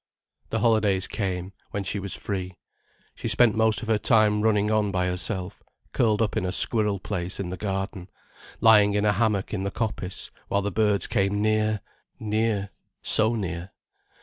The holidays came, when she was free. She spent most of her time running on by herself, curled up in a squirrel place in the garden, lying in a hammock in the coppice, while the birds came near—near—so near.